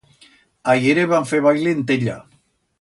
Ahiere van fer baile en Tella.